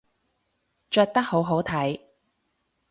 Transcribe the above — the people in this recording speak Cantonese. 着得好好睇